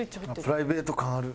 プライベート感ある。